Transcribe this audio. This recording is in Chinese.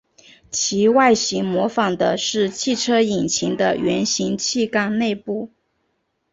其外形模仿的是汽车引擎的圆形汽缸内部。